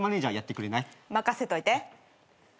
任せといて。